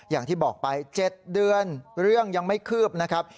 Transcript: อย่างที่บอกไป๗เดือนเรื่องยังไม่คืบนะครับ